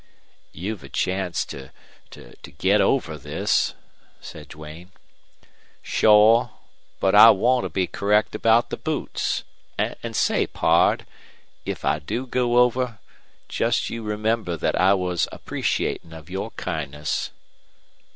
"You've a chance to to get over this," said Duane. "Shore. But I want to be correct about the boots an' say, pard, if I do go over, jest you remember thet I was appreciatin' of your kindness."